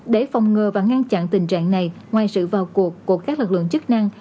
để phòng ngừa và ngăn chặn tình trạng này ngoài sự vào cuộc của các lực lượng chức năng